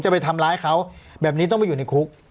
ไปทำร้ายเขาแบบนี้ต้องมาอยู่ในคุก